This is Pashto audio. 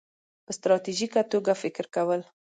-په ستراتیژیکه توګه فکر کول